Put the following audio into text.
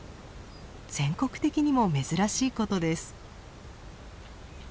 全国的にも珍しいことです。